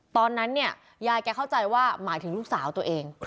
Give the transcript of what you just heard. ตอนนั้นเนี่ยยายแกเข้าใจว่าหมายถึงลูกสาวตัวเอง